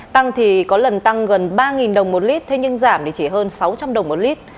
tăng thì có lần tăng gần ba đồng một lít thế nhưng giảm thì chỉ hơn sáu trăm linh đồng một lít